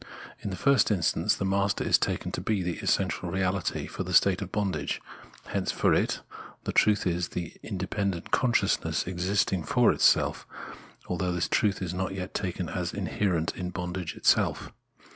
In the first instance, the master is taken to be the essential reahty for the state of bondage ; hence, for it, the truth is the independent consciousness existing for itself, although this truth is not yet taken as inherent in bondage itself.